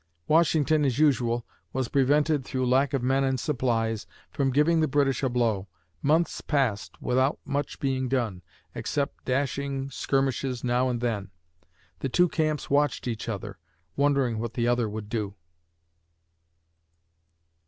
Washington, as usual, was prevented, through lack of men and supplies, from giving the British a blow. Months passed without much being done, except dashing skirmishes now and then. The two camps watched each other, wondering what the other would do.